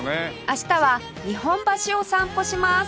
明日は日本橋を散歩します